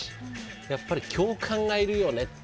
やっぱり共感がいるよねって